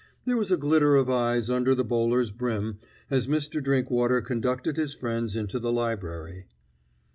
There was a glitter of eyes under the bowler's brim as Mr. Drinkwater conducted his friends into the library.